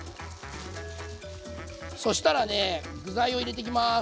そしたらね具材を入れていきます。